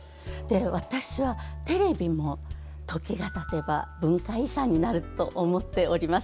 私はテレビも、ときがたてば文化遺産になると思っています。